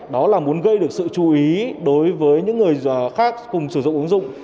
đó là muốn gây được sự chú ý đối với những người khác cùng sử dụng ứng dụng